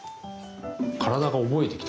体が覚えてきた。